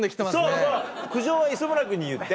そうそう苦情は磯村君に言って。